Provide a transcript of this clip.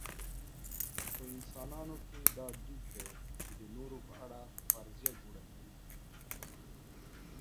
په انسانانو کې دا دود دی چې د نورو په اړه فرضیه جوړه کړي.